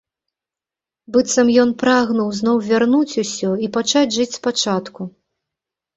Быццам ён прагнуў зноў вярнуць усё і пачаць жыць спачатку.